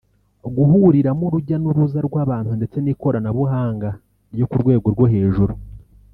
gihuriramo urujya n’uruza rw’abantu ndetse n’ikoranabuhanga ryo ku rwego rwo hejuru